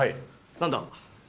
何だ。